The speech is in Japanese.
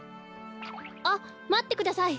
あっまってください